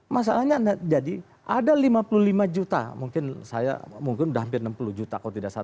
masalahnya jadi ada lima puluh lima juta mungkin saya mungkin sudah hampir enam puluh juta kalau tidak salah